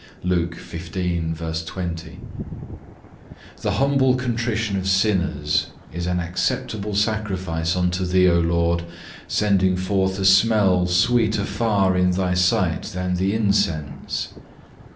(3) 4. The humble contrition of sinners is an acceptable sacrifice unto Thee, O Lord, sending forth a smell sweeter far in Thy sight than the incense.